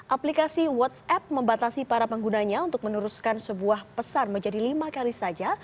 aplikasi whatsapp membatasi para penggunanya untuk meneruskan sebuah pesan menjadi lima kali saja